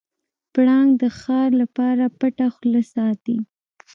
پړانګ د ښکار لپاره پټه خوله ساتي.